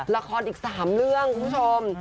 ละครอีกสามเรื่องคุณชม